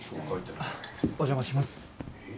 お邪魔します。